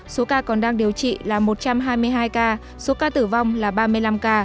số ca còn đang điều trị là một trăm hai mươi hai ca số ca tử vong là ba mươi năm ca